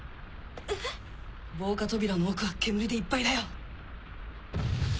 えっ⁉防火扉の奥は煙でいっぱいだよ！